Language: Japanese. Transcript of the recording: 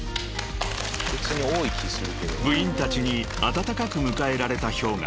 ［部員たちに温かく迎えられたＨｙＯｇＡ］